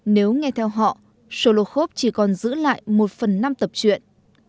nếu nghe theo họ solokhov chỉ còn giữ lại một phần năm tập truyện